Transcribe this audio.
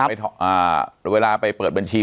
เวลาไปเปิดบัญชี